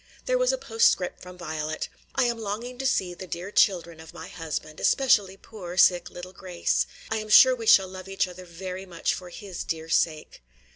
There was a postscript from Violet: "I am longing to see the dear children of my husband, especially poor, little sick Gracie. I am sure we shall love each other very much for his dear sake."